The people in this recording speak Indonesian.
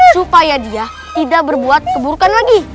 supaya dia tidak berbuat keburukan lagi